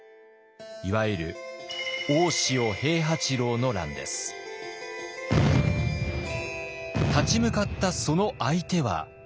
いわゆる立ち向かったその相手は。